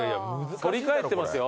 反り返ってますよ。